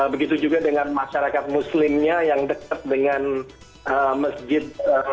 begitu juga dengan masyarakat muslimnya yang dekat dengan masjid